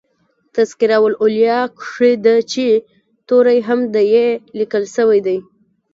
" تذکرةالاولیاء" کښي د "چي" توری هم په "ي" لیکل سوی دئ.